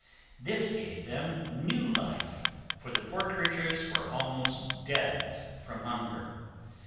This gave them new life, for the poor creatures were almost dead from hunger.